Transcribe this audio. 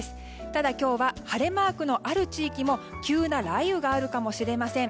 ただ、今日は晴れマークのある地域も急な雷雨があるかもしれません。